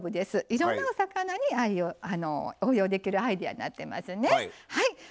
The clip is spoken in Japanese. いろんなお魚に応用できるアイデアになっています。